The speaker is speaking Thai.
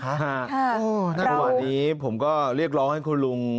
ครับเราณทุกวันนี้ผมก็เรียกร้องให้คุณลุง